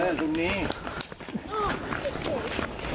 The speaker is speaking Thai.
เอ้อตรงนี้